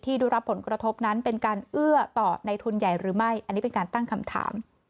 ได้รับผลกระทบนั้นเป็นการเอื้อต่อในทุนใหญ่หรือไม่อันนี้เป็นการตั้งคำถาม